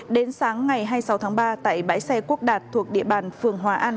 đến sáng ngày hai mươi sáu tháng ba tại bãi xe quốc đạt thuộc địa bàn phường hòa an